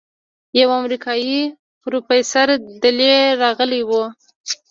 يو امريکايي پروفيسور دېلې رغلى و.